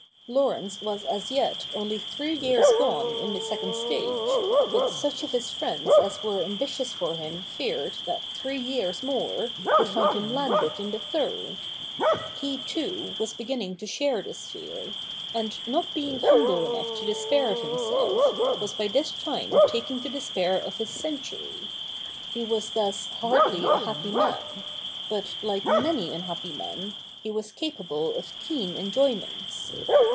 Laurence was as yet only three years gone in the second stage, but such of his friends as were ambitious for him feared that three years more would find him landed in the third. He, too, was beginning to share this fear ; and, not being humble enough to despair of himself, was by this time taking to despair of his century. He was thus hardly a happy man ; but, like many unhappy men, he was capable of keen enjoyments.